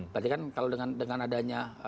berarti kan kalau dengan adanya